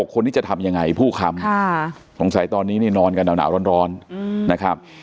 คนนี้จะทำยังไงผู้ค้ำสงสัยตอนนี้นี่นอนกันหนาวร้อนนะครับ